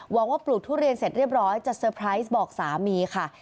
หวังว่าปลูกทุเรียนเสร็จเรียบร้อยจะเตอร์ไพรส์บอกสามีค่ะ